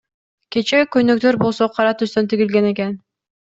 Кече көйнөктөр болсо, кара түстөн тигилген экен.